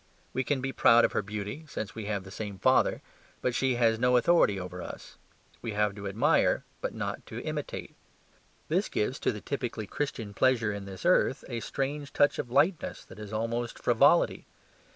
We can be proud of her beauty, since we have the same father; but she has no authority over us; we have to admire, but not to imitate. This gives to the typically Christian pleasure in this earth a strange touch of lightness that is almost frivolity.